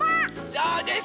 そうです！